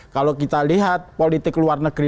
kalau kita lihat politik luar negeri